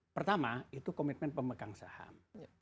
pertama itu komitmen pemegang saham